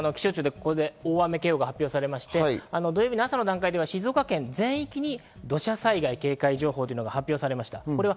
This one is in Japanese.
ここで大雨警報が発表されまして、土曜日の朝の段階では静岡県全体に土砂災害警戒情報が発表されました。